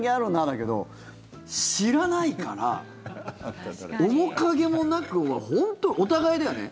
だけど知らないから、面影もなく本当お互いだよね。